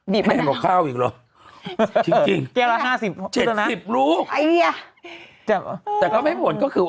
แพงหรือข้าวหรือ